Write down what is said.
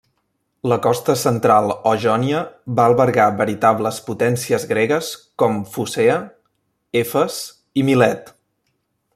La costa central o Jònia va albergar veritables potències gregues com Focea, Efes i Milet.